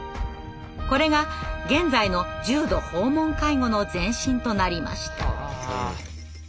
これが現在の重度訪問介護の前身となりました。